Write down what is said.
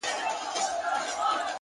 درناوی د انسان ښکلا ده,